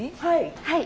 はい。